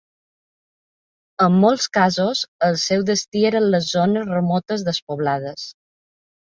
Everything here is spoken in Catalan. En molts casos, el seu destí eren les zones remotes despoblades.